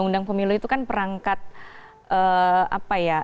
yang mengangkat apa ya